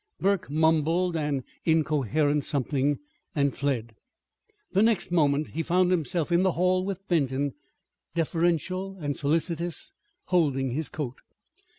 Burke mumbled an incoherent something and fled. The next moment he found himself in the hall with Benton, deferential and solicitous, holding his coat.